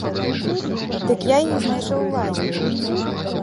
Дык я іх знайшоў у лазні.